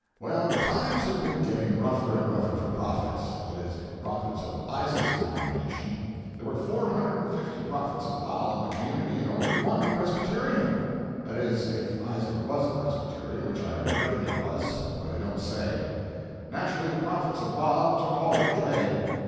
'Well, times had been getting rougher and rougher for prophets that is, prophets of Isaac's denomination. There were four hundred and fifty prophets of Baal in the community, and only one Presbyterian; that is, if Isaac was a Presbyterian, which I reckon he was, but it don't say. Naturally, the prophets of Baal took all the trade.